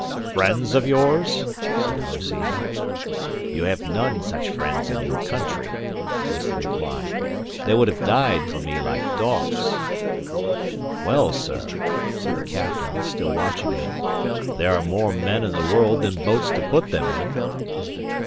"Friends of yours?" said Hoseason. "You have none such friends in your country," was the reply. "They would have died for me like dogs." "Well, sir," said the captain, still watching him, "there are more men in the world than boats to put them in."